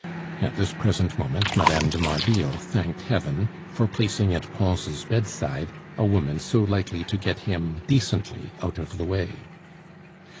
At this present moment Mme. de Marville thanked Heaven for placing at Pons' bedside a woman so likely to get him "decently" out of the way.